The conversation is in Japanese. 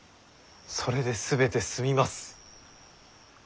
それで全て済みます。